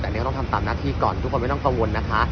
แต่อันนี้ก็ต้องทำตามหน้าที่ก่อนทุกคนไม่ต้องกังวลนะคะ